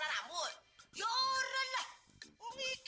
warna nambur ya orang lah